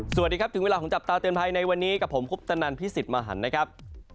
สวัสดีครับถึงเวลาของจับตาเตือนภัยในวันนี้กับผมคุปตนันพี่สิทธิ์มหันนะครับ